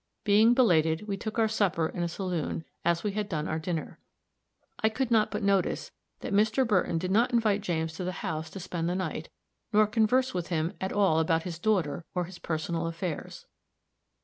Being belated, we took our supper in a saloon, as we had done our dinner. I could not but notice that Mr. Burton did not invite James to the house to spend the night, nor converse with him at all about his daughter or his personal affairs.